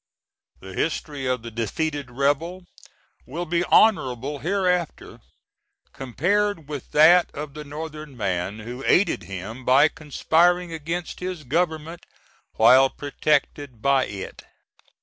The history of the defeated rebel will be honorable hereafter, compared with that of the Northern man who aided him by conspiring against his government while protected by it.